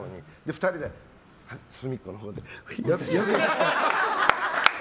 ２人で隅っこのほうで私はって。